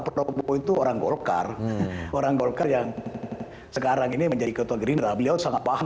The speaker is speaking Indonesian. prabowo itu orang golkar orang golkar yang sekarang ini menjadi ketua gerindra beliau sangat paham